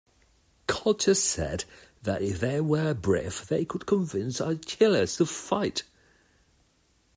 Calchas said that if they were brief, they could convince Achilles to fight.